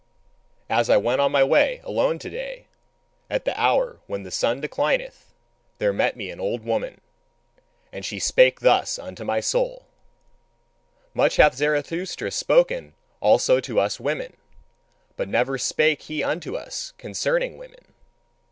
As I went on my way alone to day, at the hour when the sun declineth, there met me an old woman, and she spake thus unto my soul: "Much hath Zarathustra spoken also to us women, but never spake he unto us concerning woman."